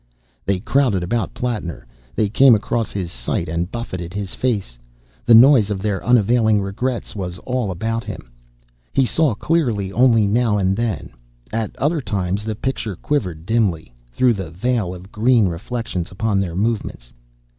They crowded about Plattner, they came across his sight and buffeted his face, the noise of their unavailing regrets was all about him. He saw clearly only now and then. At other times the picture quivered dimly, through the veil of green reflections upon their movements.